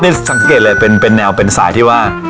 ได้สังเกตแนวเป็นสายที่ว่า